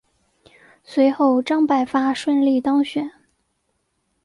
随后张百发顺利当选。